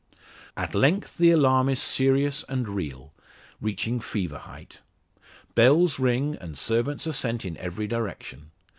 At length the alarm is serious and real, reaching fever height. Bells ring, and servants are sent in every direction.